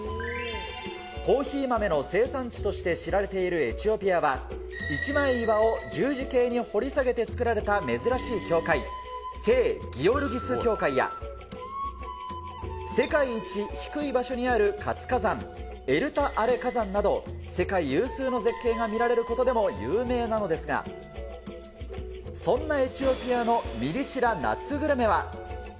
コーヒー豆の生産地として知られているエチオピアは、一枚岩を十字形に掘り下げて作られた珍しい教会、聖ギオルギス教会や、世界一低い場所にある活火山、エルタ・アレ火山など、世界有数の絶景が見られることでも有名なのですが、そんなエチオピアのミリ知ら夏グルメは。